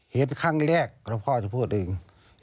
เห็นครั้งแรกแล้วพ่อจะพูดอีก